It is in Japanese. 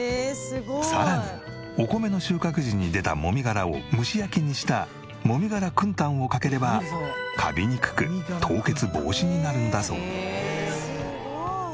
さらにお米の収穫時に出た籾殻を蒸し焼きにした籾殻くんたんをかければカビにくく凍結防止になるんだそう。